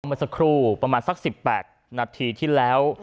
เมื่อสักครู่ประมาณสัก๑๘นาทีที่แล้ว